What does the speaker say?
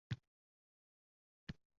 Dada, qachon kelasiz